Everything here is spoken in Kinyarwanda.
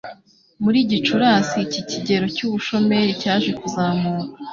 muri Gicurasi iki kigero cy'ubushomeri cyaje kuzamuka